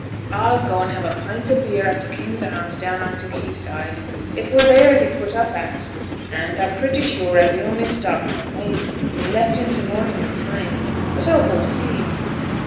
'A'll go an' have a pint o' beer at t' King's Arms, down on t' quay side; it were theere he put up at. An' a'm pretty sure as he only stopped one night, and left i' t' morning betimes. But a'll go see.'